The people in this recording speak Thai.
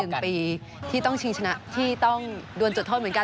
หนึ่งปีที่ต้องชิงชนะที่ต้องโดนจุดโทษเหมือนกัน